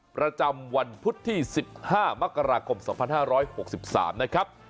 ประจำวันพุธที่๑๕มกราคม๒๕๖๓นะครับ